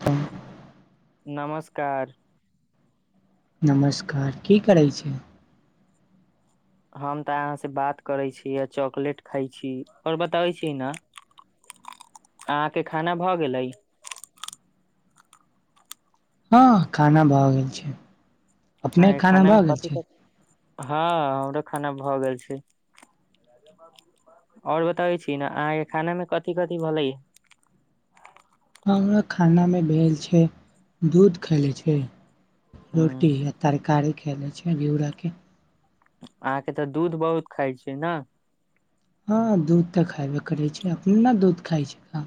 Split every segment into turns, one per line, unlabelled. त।
नमस्कार।
नमस्कार, की करैत छै?
हम तऽ अहाँसँ बात करै छी आ चॉकलेट खाइ छी, आओर बताबै छी ने। अहाँके खाना भऽ गेलै?
हँ, खाना भऽ गेल छै, अपने
अहाँके
खाना
मे
भऽ गेल
कथि
छै।
कथि हँ, हमरौ खाना भऽ गेल छै। आओर बताबै छियै ने अहाँके, खानामे कथि कथि भेलै ह।
हमरा खानामे भेल छै दूध, खाय लेल
हम्म,
रोटी आ। तरकारी खा लेलहुँ छै, घिउराके।
अहाँ तऽ दूध बहुत खाइ छी ने।
हँ, दूध तऽ खएबे करै छै, अपन नै दूध खाइत छै।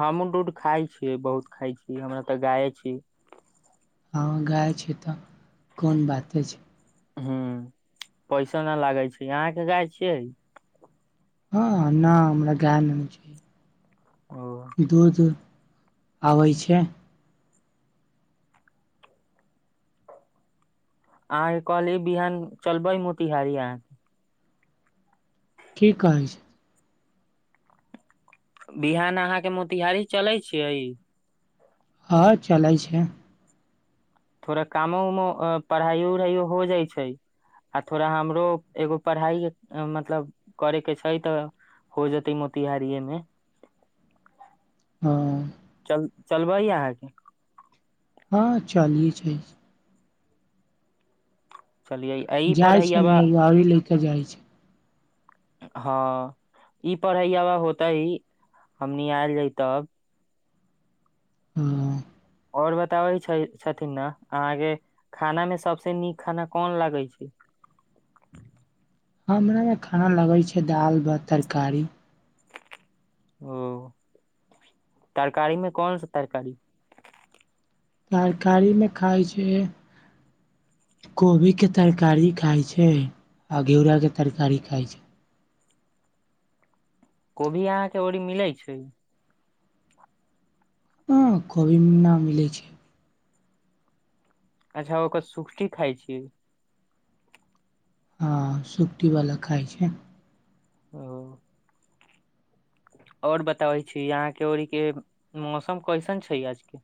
हमहुँ दूध खाइ छियै, बहुत खाइ छियै, हमरा तऽ गाय छै।
हँ, गाय छै तऽ कोन बात अछि।
हूॅं पैसा न लागै छै अहाँ के गाय छियै
हँ न हम गाय ल [unintelligible]
ओ
च दूध आबै छै
आई कहलियै बिहान चलबै मोतिहारी अहाँ
की कहै छी
बिहान अहाँ के मोतिहारी चलै छियै।
हँ चलैत छै।
थोड़ा कामो उमो पढ़ाइयो उढ़ाइयो हो जाइ छै आ थोड़ा हमरो एगो पढ़ाइ मतलब करै के छै तऽ हो जतै मोतिहारीये मे
हँ
चल चलबैऽ अहाँके
हँ चली छै
चलियै आ ई
जाइत छै
पढ़ैयाबा
ने गड़ी ले कऽ जाइत छै
हँ ई पढ़ैया में होतेइ हमनी आयल तब
हँ
और बताबै छै छथिन ने अहाँ के खाना मे सबसे नीक खाना कोन लागै छै
हमरा यहां खाना लगैत छै दालि भात तरकारी
ओ तरकारी मे कोनसा तरकारी
तरकारी मे खाइ छै कोबी के तरकारी खाइत छै आ घिउराके तरकारी खाइत छै
कोबी अहाँके ओरी मिलैत छै।
हं कभी न मिलै छै
अच्छा ओकर सुखटी खाइ छियै
हँ सुपटी वालला खाइ छै
ओ आओर बताबै छी, अहाँके ओईरी के मौसम केहन छै आइके?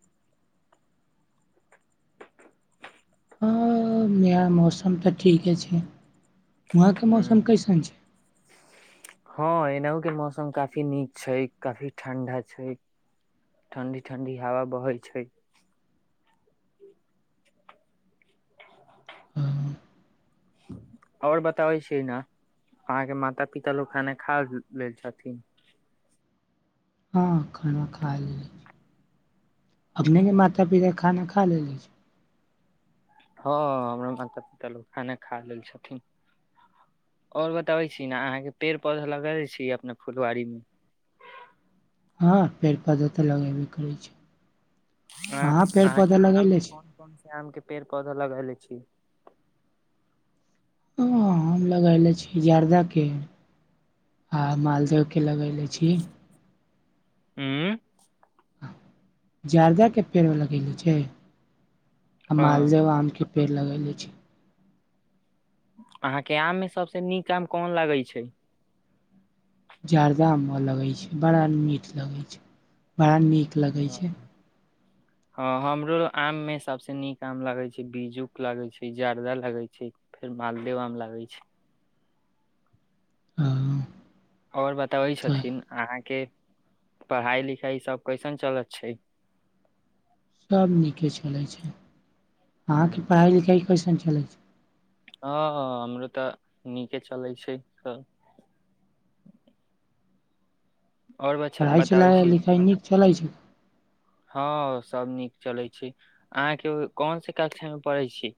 अऽनया मौसम तऽ ठीके छै वहाँके मौसम
हूँ
कैसन छै
[inaudible] हँ एनाहु के मौसम काफी नीक छै काफी ठण्ढा छै ठंडी ठंडी हवा बहै छै।
हां
और बताबै छियै न अहाँके माता पिता लोग खाना खा लैऽ छथिन
हँ खाना खा लेले छी अपनेके माता पिता खाना खा लेले छी
हँ हमरो माता पिता लोक खाना खा लेल छथिन और बताबै छी न अहाँ के पेड़ पौधा लगैले छी अपना फुलवारी मे
हँ पेड़ पौधा तऽ लगैबे करै छै
आ अहाँके आम
लगेले
मे
छी
कोन कोन से आम के पेड़ पौधा लगैले छियै
हँ हम लगैले छी जर्दाके आ मालदहो के लगैले छियै
उँ
जार्दा के पेड़ लगेले छै आ
अ
मालदेव आमके पेड़ लगाए लै छै
अहां के आम मे सबसे नीक आम कोन लागै छै
जरदा आम लगे छै बड़ा मीठ लगे छै बड़ा नीक लगै
हँ।
छै
हँ हमरो आम मे सबसे नीक आम लगै छै बीजूक लगै छै जर्दा लगै छै फेर मालदेव आम लागै छै
हँ
और बतबै
तऽ
छथिन अहाँके पढ़ाई लिखाई सब कैसन चलत छै
सब नीके चलै छै,
हँ
अहाँक पढ़ाइ-लिखाइ केहन चलै छै?
हँ हमरो तऽ नीके चलै छै सब आओर बश
पढ़ाइ
बताबै
चलाइ
छी।
लिखाइ नीक चलै छै
हँ सब नीक चलै छै। अहाँके कोनसे कक्षामे पढ़ै छियै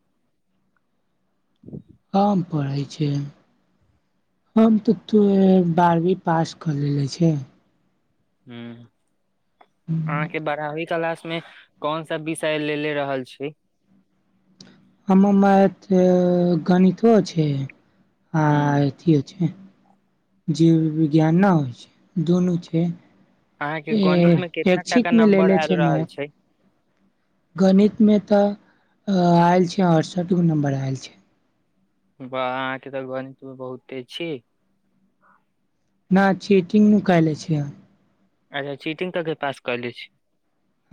हम पढ़ै छी हम तऽ त टुवेल बारहवीं पास क लेल लै छै
ह अहाँके बारावी क्लास मे कोन सा विषय ले ले रहल छै
हमर मैथ गणितो छै आ
हम्म
अथियो छै जीव विज्ञान न दूनू छै
अहाँके गणित मे कितना टाका
एच्छिक मे
नंबर
लेने
आयल
छै
रहल
मैथ गणित मे तऽ आयल छै अड़सठ नम्बर आयल छै
बा अहांके तऽ गणीत मे बहुत तेज छी
ना चीटिंग नु कएले छियै
अच्छा, चीटिंग क क पास कयले छी।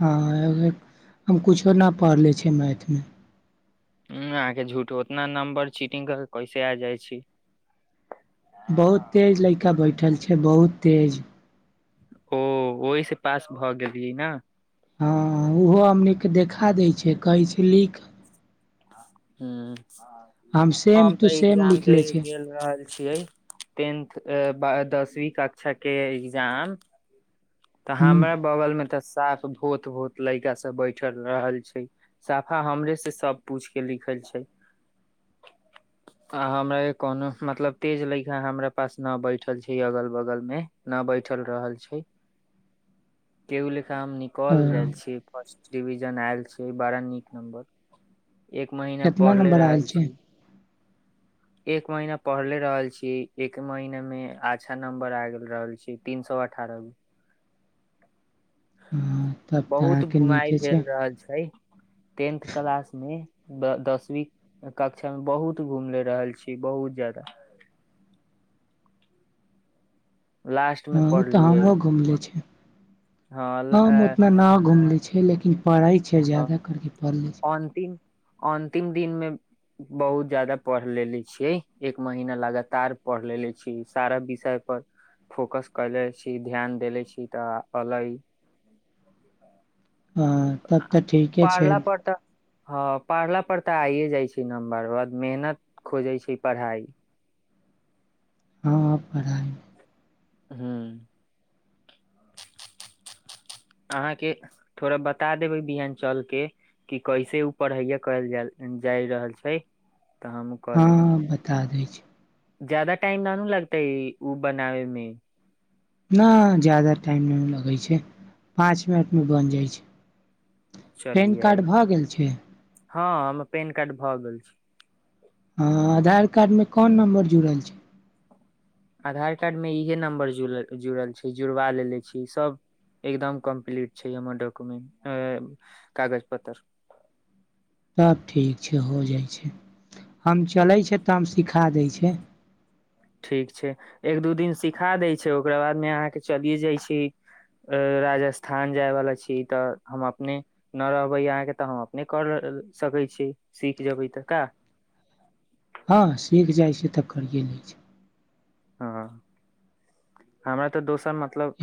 हँ एहिबेर हम कुछो न पढ़ले छियै मैथ मे
उ अहाँकेँ झूठ उतना नम्बर चीटिंग कऽ के कैसे आबि जाइत अछि?
बहुत तेज ल‌इका बैठल छै बहुत तेज
ओ ओहि से पास भऽ गेलियै न
हँ ओहो हमनीके देखा दै छै कहै छै लिख सेम
हम
टू
तऽ
सेम
एग्जाम दे
लिखले छै
गेल रहल छियै टेंथ अ बा दसवीं कक्षा के एग्जाम तऽ
हूँ
हमरा बगल में तऽ साफ भोथ भोथ ल‌इका सब बैठल रहल छै साफा हमरे से सब पूछि के लिखै छै अ हमरा कोनो स मतलब तेज लैइका हमरा पास न बैठल छै अगल बगल मे न बैठल रहल छै केहु लेखा हम निकल जाय छियै फर्स्ट डिविजन आयल छियै बड़ा नीक नम्बर एक महीना
कितना
पढ़ले
नम्बर आयल
रहल
छै
छी। एक महीना पढ़ले रहल छी एक महीना में अच्छा नंबर आ गेल रहल छी तीन स अठारह
हँ तब तऽ
बहुत
अहाँके
घुमाय
नीके
भेल
छै
रहल छै टेंथ क्लास मे दस दसमी कक्षामे बहुत घूमले रहल छी, बहुत ज्यादा लास्ट मे
हं उ त
पढ़लियै
हमहुं घुमले छियै हम
हँ
उतना न घुमले छै लेकिन पढ़ै छै जादा करिक पढ़ लै छै
अंतिम अन्तिम दिन मे बहुत ज्यादा पढ़ लेलेे छियै एक महीना लगातार पढ़ लेलेे छियै सारा विषय पर फोकस कयले छि ध्यान देले छि तऽ अलै
हँ तब तऽ ठीके छै
पढ़ला पर तऽ हँ पढ़ला पर तऽ आइये जाय छै नम्बर ओकर बाद मेहनत खोजै छै पढ़ाई
हँ ह पढ़ाई
हू अहाँके थोड़ा बता देबै बिहान चल के कि कैसे ओ पढ़ैया कहल जा जाय रहल छै तऽ हम
हँ बता दै छी
ज्यादा टाइम न न लगतेै उ बनाबै मे
नहि ज्यादा टाइम नहि लगै छै पाँच मिनटमे बनि जाय छै पैन
चलियै
कार्ड भऽ गेल छै
हँ हमर पेन कार्ड भऽ गेल छै
हँ आधार कार्ड में कौन नम्बर जुड़ल छै
आधार कार्ड मे इहे नम्बर जुड़ल जुड़ल छै जुड़वा लेेले छी सभ एकदम कम्प्लीट छै हमर डॉक्युमेंट कागज पत्तर
तब ठीक छै हो जाइ छै हम चलै छै तब हम सिखा दै छै
ठीक छै एक दू दिन सिखा दै छै ओकरा बादमे अहाँके चलिये जाय छी राजस्थान जायवाला छी तऽ हम अपने न रहबै अहाँके तऽ हम अपने कर सकै छियै सीख जेबै तऽ का
हँ सीख जाय छै तऽ करिये लै छै
हँ हमरा तऽ दोसर मतलब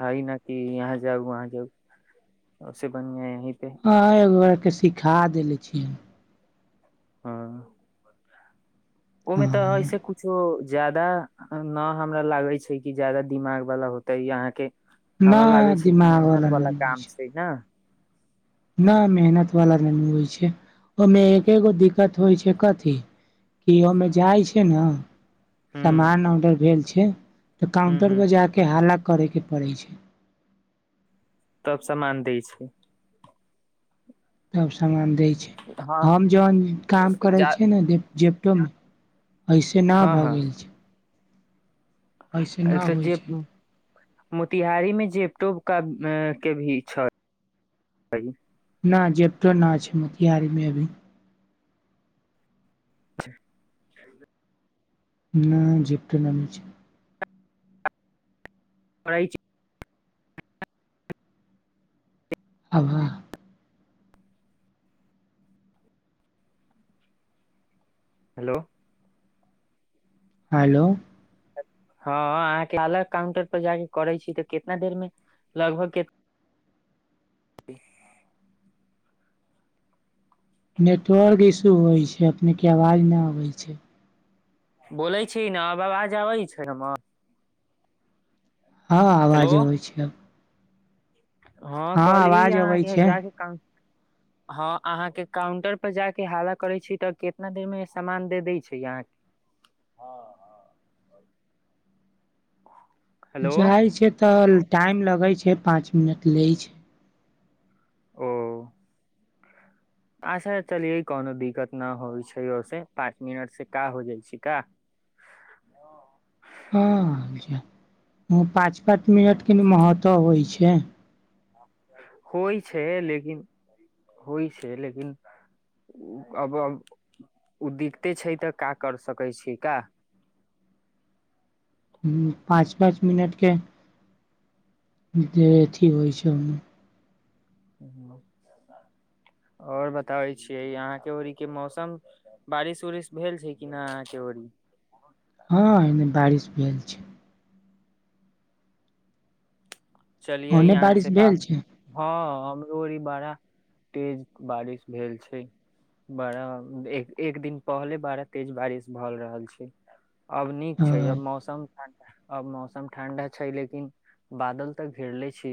हय न कि यहाँ जाउ वहाँ जाउ ओ से बनियाँ यहीं पे
हँ एकगोरे के सिखा देले छियै
हँ ओय मे तऽ
हँ
ऐसे कुछो ज्यादा न हमरा लागे छै कि जादा दिमाग वाला होतै यहाँके
ना
हमरा लागै छै कि मेहनत
दिमागवला ना
वाला काम छै न
न मेहनत वला नहि होय छै ओमे एकेगो दिक्कत होइ छै कथि कि ओमे जाय छै ने
ह
सामान ऑर्डर भेल छै तऽ
ह
काउंटर
ह
पर जा कऽ हाल्ला करयके पड़ै छै
तब सामान दै छै
तब सामान दै छै
हँ
हम जहन काम करै
जा
छियै ने जे जेपटो मे ऐसे ना
हँ
भऽ गेल छै ऐसे
ए
ना
तऽ
होइ
जे
छै
मोतिहारी मे जेबटोब का के भी छल
ना जेपटो ना छै मोतिहारी मे अभी
[unintelligible]
नहि जिप्टो नामे छै
पढ़ाई छै
आबा
हेलो
हायलो
हँ अहाँके अलग काउंटर पर जाकऽ करै छी तऽ कितना देर मे लगभग के
नेटवर्क इशू होय छै अपने के आवाज नहि आबै छै
बोलै छी ने आब आबाज आबै छै हमर
हँ
हेलो
आवाज अबै छै अब
हँ कहली
आवाज
यहाँ
अबै
के
छै
जाके काउ हँ अहाँके काउंटर पर जा के हाला करै छी तऽ के तना देर मे सामान दे दै छै अहाँके हँ हँ हेलो
जाइ छै तऽ टाइम लगै छै पाँच मिनट लै छै
ओ अच्छा चलिये कोनो दिक्कत ना होय छै ओहिस पाँच मिनट से का हो जाय छै का हँ
हँ पाँच पाँच मिनट
हाँ,
क ने महत्व होय छै
होय छै लेकिन होय छै लेकिन अब उ दिक्कते छै तऽ का कर सकै छी का
पाँच पाँच मिनट के जे अथी होय छै हम
आओर बताबै छियै यहाँके ओरीक के मौसम बारिश उरिश भेल छै कि नहि अहाँ के ओरी
हँ एने बारिश भेल छै
चलियए
ओने
यहाँ
बारिश
से बात
भेल छै
हँ हमरो ई बड़ा तेज बारिश भेल छै बड़ा एक एक दिन पहले बड़ा तेज बारिश भऽ रहल छै अब नीक छै
हँ
अब मौसम ठण्ड अब मौसम ठंड छै लेकिन बादल तऽ घेरले छी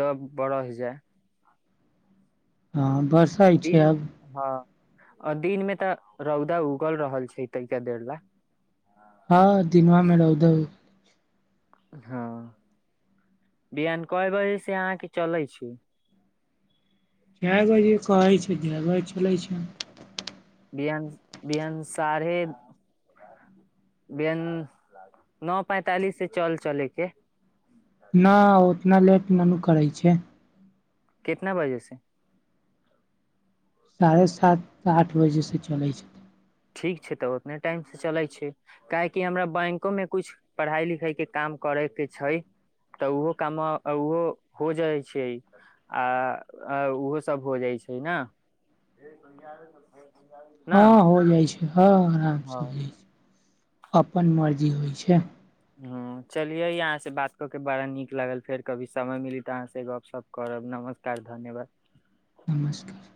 जब बड़ जाए
हँ बस
दिन हँ दिन में तऽ रौदा उगल रहल छै तैाके देर ला
हँ दिनमा मे रउध उ
हँ बिहान कएय बजे से अहाँके चलै छी
जय बजे कहै छै जय बजे चलैत छै
बिं बिहंसारे बेंन नओ पैंतालिस से चल चल के
न उतना लेट न न करै छै
कितना बजे से
साढ़े सात आठ बजेसँ चलै छै
ठीक छै तऽ ओतने टाइमसँ चलैत छै काहेकि हमरा बैंको में कुछ पढ़ाई लिखाई के काम करे के छै तऽ ओहो काम ओहो हो जाइ छै आ ओहो सभ हो जाइ छै ने [unintelligible] ने
हँ हो जाइ छै हँ आरामसँ हो जाइ छै अपन मर्जी होइ छै
ह चलिये अहाँ से बात कऽ के बड़ा नीक लागल फेर कभी समय मिली तऽ अहाँ से गप सप करब नमस्कार धन्यवाद
नमस्कार